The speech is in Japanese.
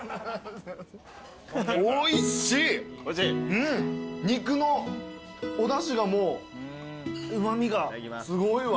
うん肉のおだしがもううま味がすごいわ。